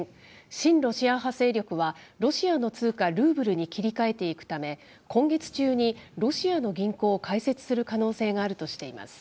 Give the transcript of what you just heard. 親ロシア派勢力は、ロシアの通貨ルーブルに切り替えていくため、今月中にロシアの銀行を開設する可能性があるとしています。